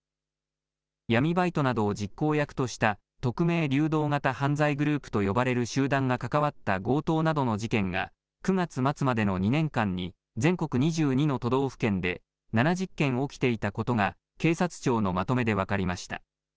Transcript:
闇バイトなどを実行役とした匿名・流動型犯罪グループと呼ばれる集団が関わった強盗などの事件が、９月末までの２年間に、全国２２の都道府県で７０件起きていたことが、警察庁のまとめで分かりました。